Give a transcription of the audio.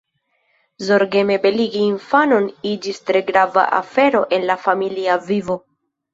Zorgeme beligi infanon iĝis tre grava afero en la familia vivo.